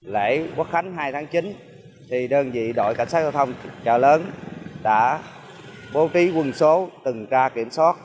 lễ quốc khánh hai tháng chín đơn vị đội cảnh sát giao thông chợ lớn đã bố trí quân số từng tra kiểm soát